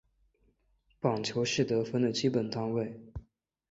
板球是得分的基本单位。